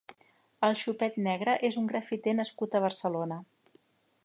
El Xupet Negre és un grafiter nascut a Barcelona.